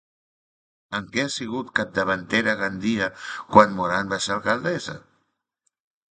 En què ha sigut capdavantera Gandia quan Morant va ser alcaldessa?